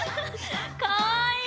かわいい！